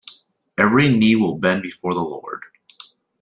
Every knee will bend before the Lord.